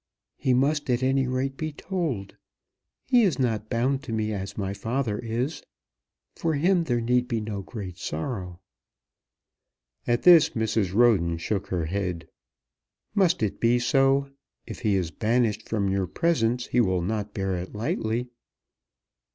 "He must at any rate be told. He is not bound to me as my father is. For him there need be no great sorrow." At this Mrs. Roden shook her head. "Must it be so?" "If he is banished from your presence he will not bear it lightly."